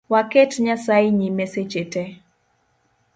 Waket Nyasaye nyime seche tee